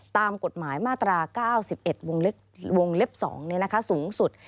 ตามกฎหมายมาตรา๙๑วงเล็บ๒สูงสุด